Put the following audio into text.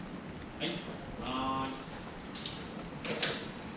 はい。